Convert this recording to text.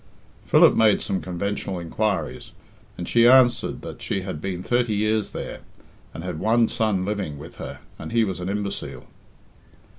Philip made some conventional inquiries, and she answered that she had been thirty years there, and had one son living with her, and he was an imbecile.